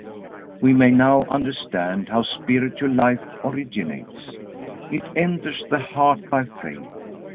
We may now understand how spiritual life originates. It enters the heart by faith.